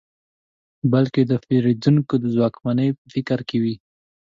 بلکې د پېرودونکو د ځواکمنۍ په فکر کې وي.